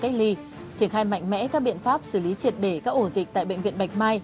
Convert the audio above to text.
cách ly triển khai mạnh mẽ các biện pháp xử lý triệt để các ổ dịch tại bệnh viện bạch mai